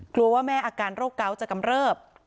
กลัวว่าแม่อาการโรคเกาะจะกำเริบ